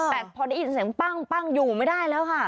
แต่พอได้ยินเสียงปั้งอยู่ไม่ได้แล้วค่ะ